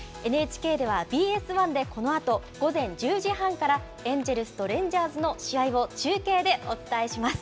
ＮＨＫではＢＳ１で、このあと午前１０時半からエンジェルスとレンジャーズの試合を中継でお伝えします。